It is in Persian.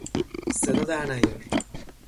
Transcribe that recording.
صدا در نیار!